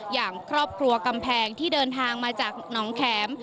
อย่างครอบครัวกำแพงที่เดินทางมาจากหนองแข็ม